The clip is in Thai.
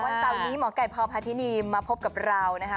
เสาร์นี้หมอไก่พพาธินีมาพบกับเรานะคะ